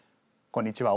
こんにちは。